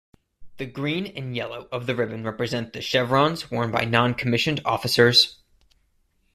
The green and yellow of the ribbon represent the chevrons worn by noncommissioned officers.